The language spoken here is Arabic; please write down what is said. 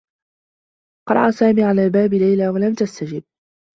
قرع سامي على باب ليلى و لم تستجب.